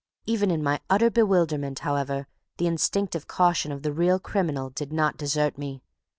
Even in my utter bewilderment, however, the instinctive caution of the real criminal did not desert me.